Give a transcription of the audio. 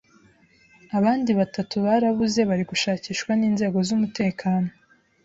abandi batatu barabuze bari gushakishwa n’inzego z’umutekano.